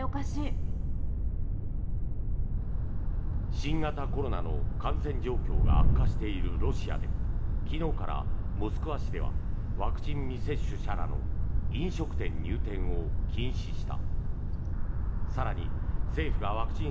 新型コロナの感染状況が悪化しているロシアで昨日からモスクワ市ではワクチン未接種者らの飲食店入店を禁止した。